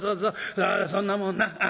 そんなもんなああ